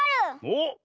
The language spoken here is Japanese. おっ。